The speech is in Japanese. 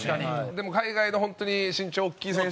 でも、海外の本当に身長大きい選手。